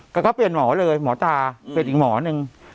แต่ก็เปลี่ยนหมอเลยหมอตาเปลี่ยนอีกหมอหนึ่ง